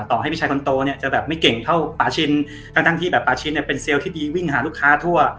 ต่อให้พี่ชายคนโตเนี่ยจะแบบไม่เก่งเท่าปาชินทั้งที่แบบปาชินเนี่ยเป็นเซลล์ที่ดีวิ่งหาลูกค้าทั่ว